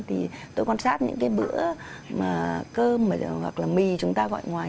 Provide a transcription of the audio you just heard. tôi quan sát những bữa cơm hoặc là mì chúng ta gọi ngoài